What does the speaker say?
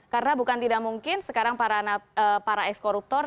karena bukan tidak mungkin sekarang para ex koruptor